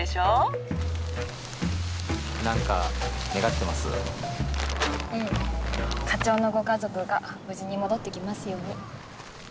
うん課長のご家族が無事に戻って来ますように。